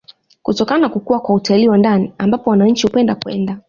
kutokana na kukua kwa utalii wa ndani ambapo wananchi hupenda kwenda